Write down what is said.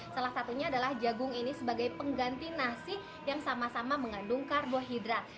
salah satunya adalah jagung ini sebagai pengganti nasi yang sama sama mengandung karbohidrat